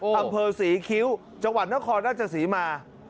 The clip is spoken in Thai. อำเภอศรีคิ้วจังหวัดนครราชศรีมา